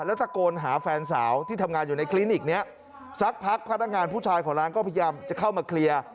แล้วตะโกนหาแฟนสาวที่ทำงานอยู่ในคลินิกนี้สักพักพนักงานผู้ชายของร้านก็พยายามจะเข้ามาเคลียร์